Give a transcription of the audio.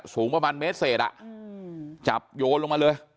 สูงประมาณเมตรเศษจับโยนลงมาเลย